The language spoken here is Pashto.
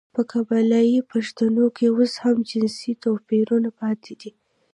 په قبايلي پښتانو کې اوس هم جنسيتي تواپيرونه پاتې دي .